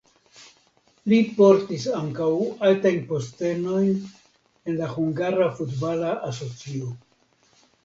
Li portis ankaŭ altajn postenojn en la hungara futbala asocio.